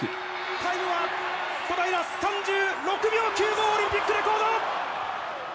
最後は、小平、３６秒９５、オリンピックレコード。